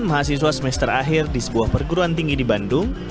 mahasiswa semester akhir di sebuah perguruan tinggi di bandung